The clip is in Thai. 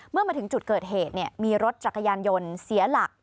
เมื่อมาถึงจุดเกิดเหตุมีรถจักรยานยนต์เสียหลัก